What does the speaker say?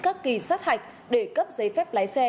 các kỳ sát hạch để cấp giấy phép lái xe